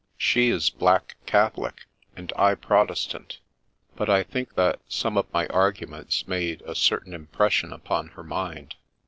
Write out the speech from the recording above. She is black Catholic, and I Protestant, but I think that some of my arguments made a certain impression upon her mind."